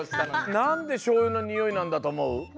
なんでしょうゆのにおいなんだとおもう？